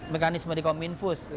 mekanisme di kominfus